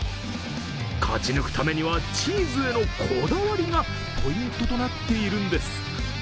勝ち抜くためには、チーズへのこだわりがポイントとなっているんです。